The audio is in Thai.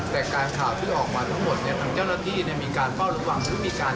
แต่การข่าวที่ออกมาทั้งหมดเนี่ยทางเจ้าหน้าที่มีการเฝ้าระวังหรือมีการ